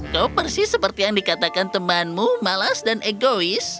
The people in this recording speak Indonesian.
kau persis seperti yang dikatakan temanmu malas dan egois